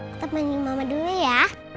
tetap mainin mama dulu ya